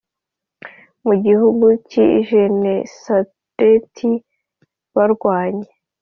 mu gihugu cy i Genesareti barwanye